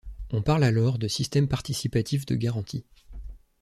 On parle alors de Systèmes Participatifs de Garantie.